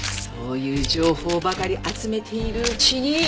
そういう情報ばかり集めているうちに。